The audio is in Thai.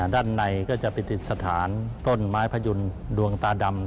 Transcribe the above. ด้านในก็จะไปติดสถานต้นไม้พยุนดวงตาดำ